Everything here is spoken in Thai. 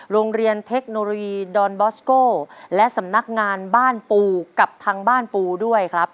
โรงเรียนเทคโนโลยีดอนบอสโก้และสำนักงานบ้านปูกับทางบ้านปูด้วยครับ